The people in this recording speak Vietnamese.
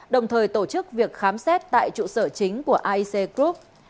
đồng thời tổ chức việc khám xét tại trụ sở chính của aec group